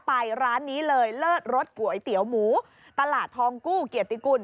ไปร้านนี้เลยเลิศรสก๋วยเตี๋ยวหมูตลาดทองกู้เกียรติกุล